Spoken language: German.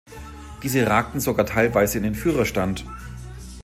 Diese ragten sogar teilweise in den Führerstand.